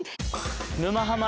「沼ハマ」